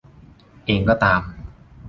เองก็ตาม